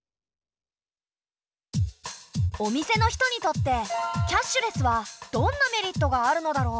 お店の人にとってキャッシュレスはどんなメリットがあるのだろう？